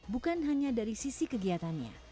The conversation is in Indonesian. bukan hanya dari sisi kegiatannya